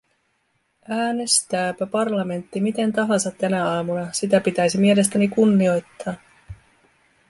Äänestääpä parlamentti miten tahansa tänä aamuna, sitä pitäisi mielestäni kunnioittaa.